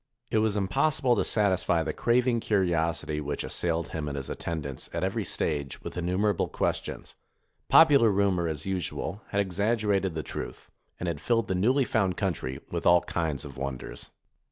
It was impossible to satisfy the craving curiosity which assailed him and his attendants at every stage with innumerable ques tions; popular rumor, as usual, had exaggerated the truth, and had filled the newly found country with all kinds of wonders.